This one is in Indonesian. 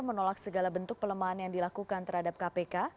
menolak segala bentuk pelemahan yang dilakukan terhadap kpk